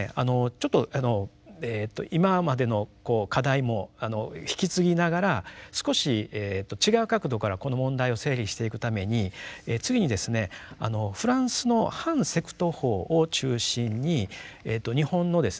ちょっと今までのこう課題も引き継ぎながら少し違う角度からこの問題を整理していくために次にですねフランスの反セクト法を中心に日本のですね